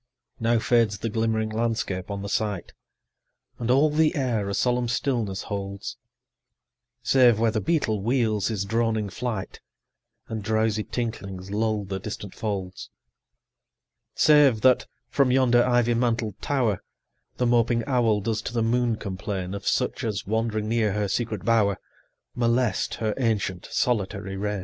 Now fades the glimmering landscape on the sight, 5 And all the air a solemn stillness holds, Save where the beetle wheels his droning flight, And drowsy tinklings lull the distant folds: Save that, from yonder ivy mantled tower, The moping owl does to the moon complain 10 Of such as, wandering near her secret bower, Molest her ancient solitary reign.